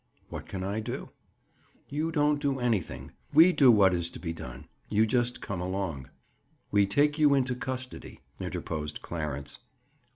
"What can I do?" "You don't do anything. We do what is to be done. You just come along." "We take you into custody," interposed Clarence.